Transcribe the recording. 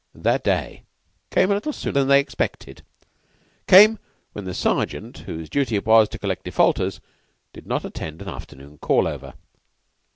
That day came a little sooner than they expected came when the Sergeant, whose duty it was to collect defaulters, did not attend an afternoon call over.